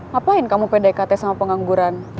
ngapain kamu pdkt sama pengangguran